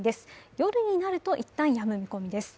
夜になると一旦やむ見込みです。